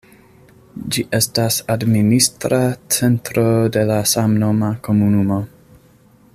Ĝi estas administra centro de la samnoma komunumo.